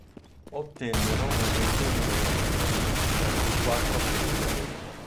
Ottennero una trentina di premiazioni, tra cui quattro primi premi.